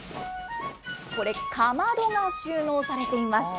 これ、かまどが収納されています。